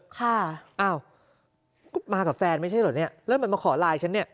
ค่ะอ้าวก็มากับแฟนไม่ใช่เหรอเนี่ยแล้วมันมาขอไลน์ฉันเนี่ย